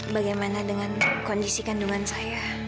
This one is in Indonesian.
bagaimana dengan kondisi kandungan saya